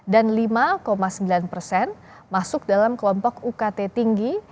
dan lima sembilan persen masuk dalam kelompok ukt tinggi